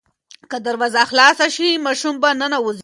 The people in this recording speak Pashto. که دروازه خلاصه شي ماشوم به ننوځي.